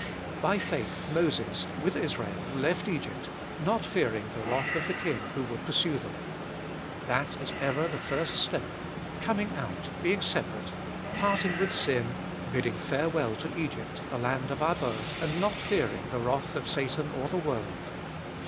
By faith Moses, with Israel, left Egypt, not fearing the wrath of the king who would pursue them. That is ever the first step— coming out, being separate, parting with sin, bidding farewell to Egypt, the land of our birth, and not fearing the wrath of Satan or the world.